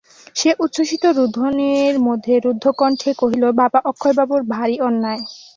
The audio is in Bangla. সে উচ্ছ্বসিত রোদনের মধ্যে রুদ্ধকণ্ঠে কহিল, বাবা, অক্ষয়বাবুর ভারি অন্যায়।